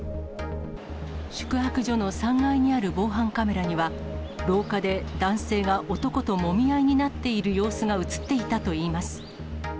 宿泊所の３階にある防犯カメラには、廊下で男性が男ともみ合いになっている様子が写っていたといいます。